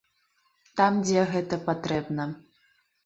Там, дзе гэта патрэбна.